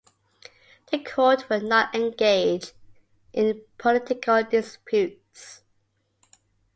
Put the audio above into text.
The court will not engage in political disputes.